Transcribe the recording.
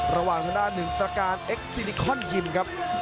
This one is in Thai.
ระหว่างหน้างานหนึ่งตระการเอกซิลิคอนยิมครับ